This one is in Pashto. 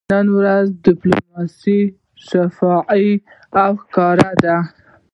د ننی ورځې ډیپلوماسي شفافه او ښکاره ده